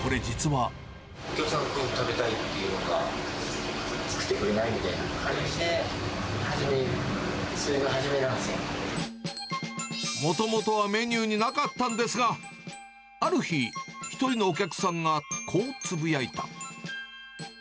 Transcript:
お客さんが、こういうの食べたいっていうのが、作ってくれない？みたいな感じで、もともとはメニューになかったんですが、ある日、１人のお客さんがこうつぶやいた。